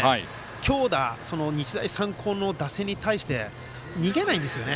強打、日大三高の打線に対して逃げないんですよね。